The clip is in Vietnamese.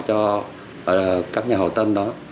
cho các nhà hảo tâm đó